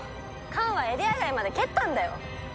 缶はエリア外まで蹴ったんだよ！？